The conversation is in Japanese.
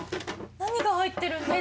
何が入ってるんだろう？